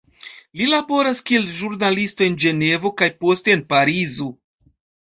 Li laboras kiel ĵurnalisto en Ĝenevo kaj poste en Parizo.